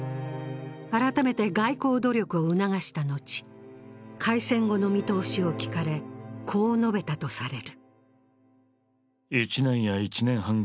改めて外交努力を促した後、開戦後の見通しを聞かれ、こう述べたとされる。